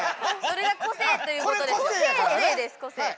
それが個性ということですよ。